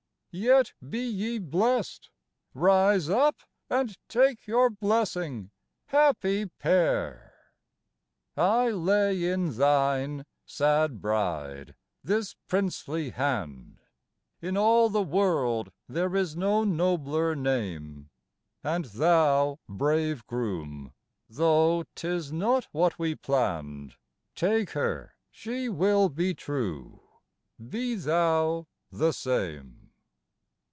Yet be ye blest Rise up and take your blessing, happy pair! I lay in thine, sad bride, this princely hand In all the world there is no nobler name And thou, brave groom though 'tis not what we planned Take her, she will be true: be thou the same.